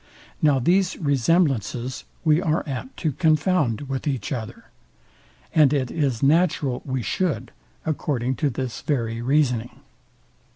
Now these resemblances we are apt to confound with each other; and it is natural we shoud, according to this very reasoning.